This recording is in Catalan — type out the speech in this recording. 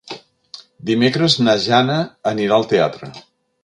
Dimecres na Jana anirà al teatre.